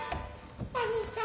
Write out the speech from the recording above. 兄さん